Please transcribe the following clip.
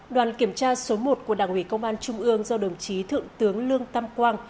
đoàn kiểm tra số một của đảng ủy công an trung ương do đồng chí thượng tướng lương tam quang